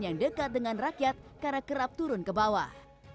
yang dekat dengan rakyat karena kerap turun ke bawah